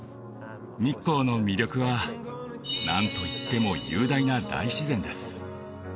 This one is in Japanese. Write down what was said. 日光の魅力は何といっても雄大な大自然です